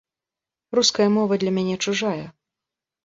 Руская мова для мяне чужая.